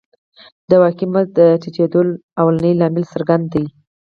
د واقعي مزد د ټیټېدو لومړنی لامل څرګند دی